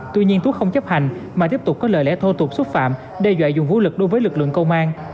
tuy nhiên tú không chấp hành mà tiếp tục có lời lẽ thô tục xúc phạm đe dọa dùng vũ lực đối với lực lượng công an